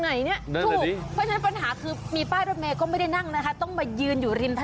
แต่ว่าปัญหามันก็มีมีอย่างไรฟังน้องหนูหน่อยค่ะ